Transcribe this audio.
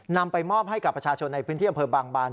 นำไปมอบให้กับประชาชนในพื้นที่อำเภอบางบาน